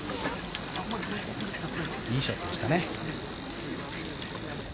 いいショットでしたね。